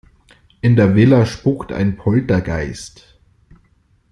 In der Villa spukt ein Poltergeist.